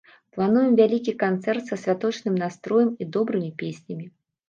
Плануем вялікі канцэрт са святочным настроем і добрымі песнямі.